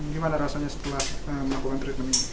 gimana rasanya setelah melakukan treatment ini